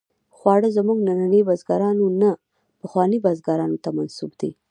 خواړه زموږ ننني بزګرانو نه، پخوانیو بزګرانو ته منسوب دي.